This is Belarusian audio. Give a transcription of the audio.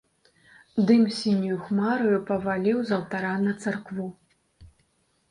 Дым сіняю хмараю паваліў з алтара на царкву.